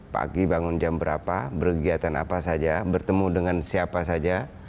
pagi bangun jam berapa berkegiatan apa saja bertemu dengan siapa saja